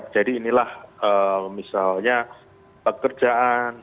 jadi inilah misalnya pekerjaan